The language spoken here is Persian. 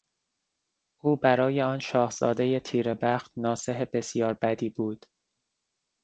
او برای آن شاهزادهی تیره بخت ناصح بسیار بدی بود.